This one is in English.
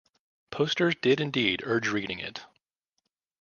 Posters did indeed urge reading it.